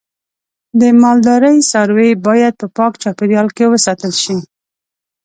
د مالدارۍ څاروی باید په پاک چاپیریال کې وساتل شي.